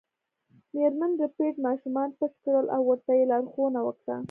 میرمن ربیټ ماشومان پټ کړل او ورته یې لارښوونه وکړه